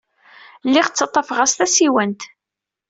Lliɣ ttaḍḍafeɣ-as tasiwant.